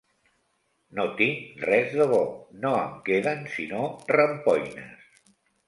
No tinc res de bo: no em queden sinó rampoines.